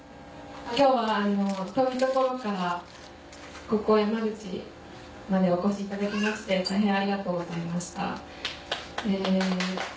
今日は遠い所からここ山口までお越しいただきまして大変ありがとうございました。